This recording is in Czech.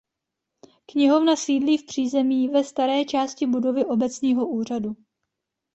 Knihovna sídlí v přízemí ve staré části budovy obecního úřadu.